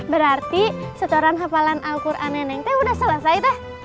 berarti setoran hafalan alquran neng udah selesai teh